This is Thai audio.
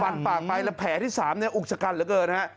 และแผลที่สามอุกชกันเหลือเกินนะครับ